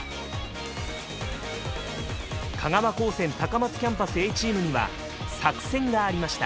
香川高専高松キャンパスＡチームには作戦がありました。